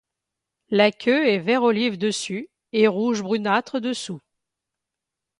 La queue est vert olive dessus et rouge brunâtre dessous.